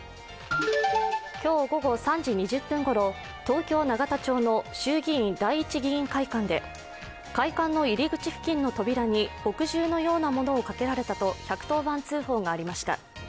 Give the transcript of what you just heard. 今日午後３時２０分ごろ、東京・永田町の衆議院第一議員会館で会館の入り口付近の扉に墨汁のようなものをかけられたと１１０番通報がありました。